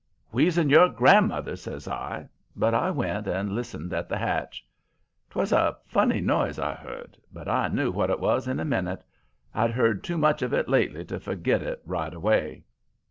"'Wheezing your grandmother!' says I, but I went and listened at the hatch. 'Twas a funny noise I heard, but I knew what it was in a minute; I'd heard too much of it lately to forget it, right away.